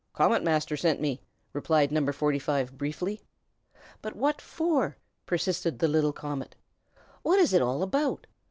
"Comet Master sent me!" replied No. 45, briefly. "But what for?" persisted the little comet. "What is it all about?